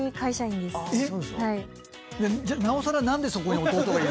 なおさら何でそこに弟がいるんですか